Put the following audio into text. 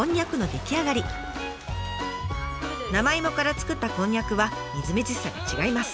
生芋から作ったこんにゃくはみずみずしさが違います。